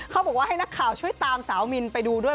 เขาบอกว่าให้นักข่าวช่วยตามสาวมินไปดูด้วย